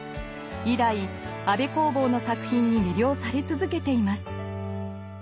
以来安部公房の作品に魅了され続けています。